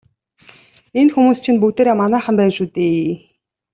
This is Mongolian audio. Энэ хүмүүс чинь бүгдээрээ манайхан байна шүү дээ.